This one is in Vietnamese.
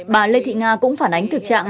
bà lê thị nga cũng phản ánh thực trạng